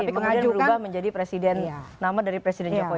tapi kemudian berubah menjadi presiden nama dari presiden jokowi